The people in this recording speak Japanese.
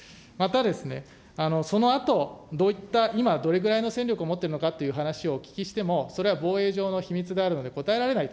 またですね、そのあとどういった今、どれぐらいの戦力を持っているのかという話をお聞きしても、防衛上の秘密があるので答えられない。